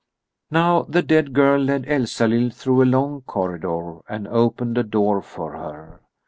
Now the dead girl led Elsalill through a long corridor and opened a door for her.